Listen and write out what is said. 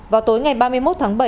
vào tối ngày ba mươi một tháng bảy